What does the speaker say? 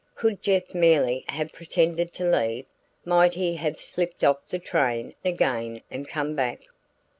Could Jeff merely have pretended to leave? Might he have slipped off the train again and come back?